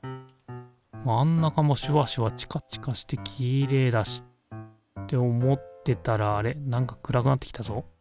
真ん中もシュワシュワチカチカしてきれいだし。って思ってたらあれなんか暗くなってきたぞ？